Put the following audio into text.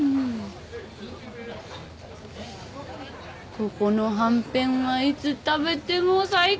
ここのはんぺんはいつ食べても最高！